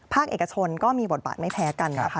เอกชนก็มีบทบาทไม่แพ้กันนะคะ